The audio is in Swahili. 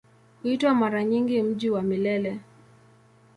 Huitwa mara nyingi "Mji wa Milele".